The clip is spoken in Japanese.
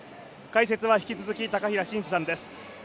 解説は引き続き高平慎士さんです。